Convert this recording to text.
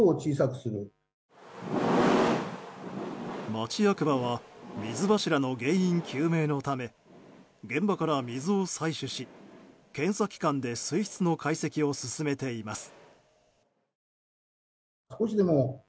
町役場は水柱の原因究明のため現場から水を採取し検査機関で水質の解析を進めています。